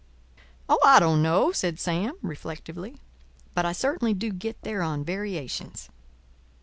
"Oh, I don't know," said Sam, reflectively. "But I certainly do get there on variations.